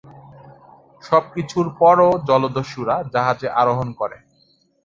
সবকিছুর পরও জলদস্যুরা জাহাজে আরোহণ করে।